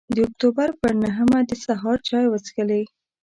د اکتوبر پر نهمه د سهار چای وڅښلې.